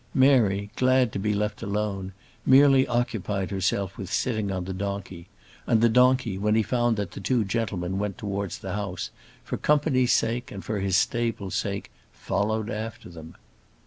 Mary, glad to be left alone, merely occupied herself with sitting on the donkey; and the donkey, when he found that the two gentlemen went towards the house, for company's sake and for his stable's sake, followed after them.